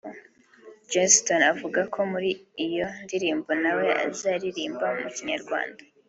Joss Stone avuga ko muri iyo ndirimbo nawe azaririmba mu Kinyarwanda